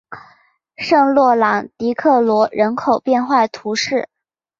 圣洛朗迪克罗人口变化图示